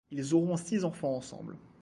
Ils auront six enfants ensemble.